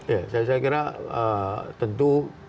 iya saya kira tentu